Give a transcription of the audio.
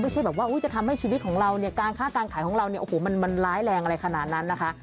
ไม่ใช่แบบว่าจะทำให้ชีวิตของเราเนี่ยการค้าการขายของเราเนี่ยโอ้โหมันร้ายแรงอะไรขนาดนั้นนะคะ